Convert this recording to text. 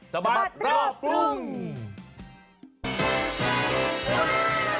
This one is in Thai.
สบัดรอบรุ่ง